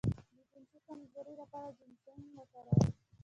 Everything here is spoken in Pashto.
د جنسي کمزوری لپاره جنسینګ وکاروئ